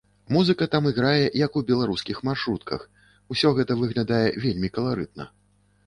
Музыка там іграе, як у беларускіх маршрутках, усё гэта выглядае вельмі каларытна.